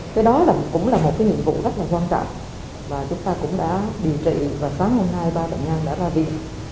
cái đó cũng là một nhiệm vụ rất quan trọng và chúng ta cũng đã điều trị và sáng hôm nay ba bệnh nhân đã ra việc